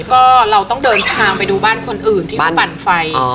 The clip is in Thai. ก็เราต้องเดินทางไปดูบ้านคนอื่นที่ปั่นไฟ